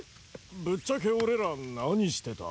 ぶっちゃけ俺ら何してた？